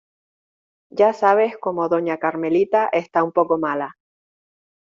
Ya sabes como doña carmelita está un poco mala.